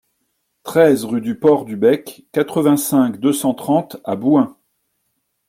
treize rue du Port du Bec, quatre-vingt-cinq, deux cent trente à Bouin